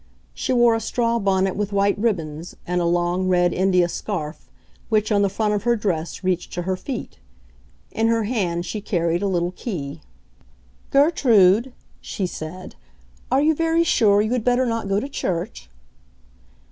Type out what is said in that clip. She wore a straw bonnet with white ribbons, and a long, red, India scarf, which, on the front of her dress, reached to her feet. In her hand she carried a little key. "Gertrude," she said, "are you very sure you had better not go to church?"